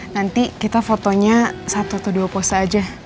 nanti kita fotonya satu atau dua pose aja